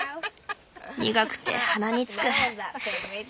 苦くて鼻につく。